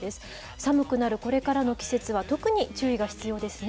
寒くなるこれからの季節は、特に注意が必要ですね。